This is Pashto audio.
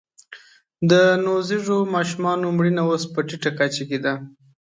د نوزیږو ماشومانو مړینه اوس په ټیټه کچه کې ده